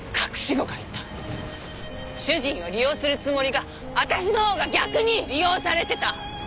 主人を利用するつもりが私のほうが逆に利用されてた。